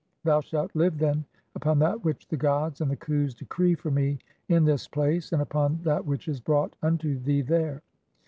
Thou shalt live, then, upon that which "the gods and the Khus decree for me in this place and upon "that which is brought unto thee there.